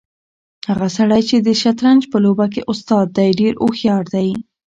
هغه سړی چې د شطرنج په لوبه کې استاد دی ډېر هوښیار دی.